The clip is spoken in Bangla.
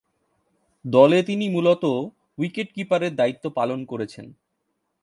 দলে তিনি মূলতঃ উইকেট-কিপারের দায়িত্ব পালন করছেন।